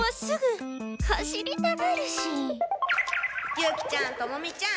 ユキちゃんトモミちゃん